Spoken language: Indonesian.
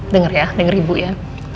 dengar ya denger ibu ya